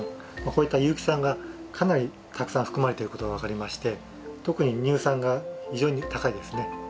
こういった有機酸がかなりたくさん含まれてることが分かりまして特に乳酸が非常に高いですね。